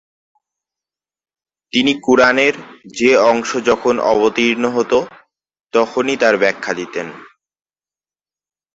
তিনি কুরআনের যে অংশ যখন অবতীর্ণ হতো তখনই তার ব্যাখ্যা দিতেন।